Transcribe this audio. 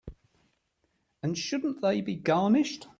And shouldn't they be garnished?